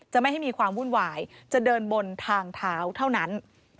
ไม่ให้มีความวุ่นวายจะเดินบนทางเท้าเท่านั้น